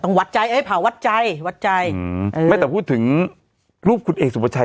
ต้องวัดใจเอ๊ะผาวัดใจวัดใจอืมไม่แต่พูดถึงรูปคุณเอกสุปไพร์ชัย